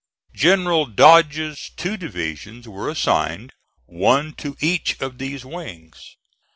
General Dodge's two divisions were assigned, one to each of these wings.